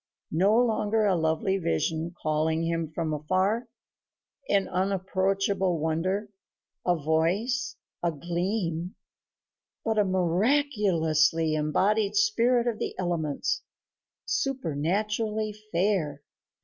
No longer a lovely vision calling him from afar an unapproachable wonder, a voice, a gleam but a miraculously embodied spirit of the elements, supernaturally fair.